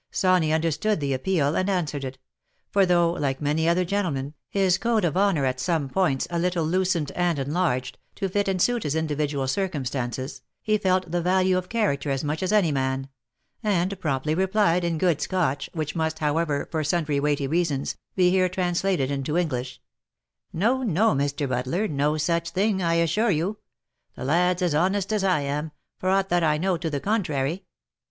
Sawney understood the appearand answered it : for though, like many other gentlemen, his code of ////"/'/ OF MICHAEL ARMSTRONG. 25 honour was at some points a little loosened and enlarged, to fit and suit his individual circumstances, he felt the value of character as much as any man ; and promptly replied, in good Scotch, which must, however, for sundry weighty reasons, be here translated into English :" No, no, Mr. Butler ! no such thing, I assure you ; the lad's as honest as I am, for aught that I know to the contrary.